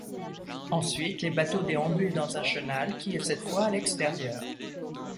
Ensuite, les bateaux déambulent dans un chenal, qui est cette fois à l'extérieur.